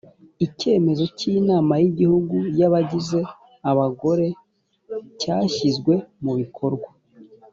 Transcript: icyemezo cy’inama y’igihugu yabagize abagore cyashyizwe mu bikorwa